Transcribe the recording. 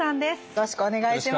よろしくお願いします。